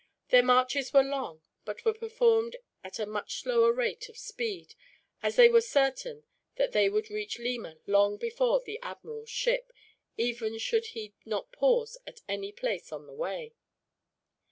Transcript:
Their marches were long, but were performed at a much slower rate of speed, as they were certain that they would reach Lima long before the admiral's ship, even should he not pause at any place on the way.